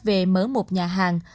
về mở một nhà hàng